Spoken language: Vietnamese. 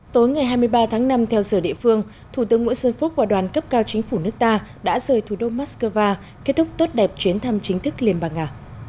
tối ngày hai mươi ba tháng năm theo giờ địa phương thủ tướng nguyễn xuân phúc và đoàn cấp cao chính phủ nước ta đã rời thủ đô moscow kết thúc tốt đẹp chuyến thăm chính thức liên bang nga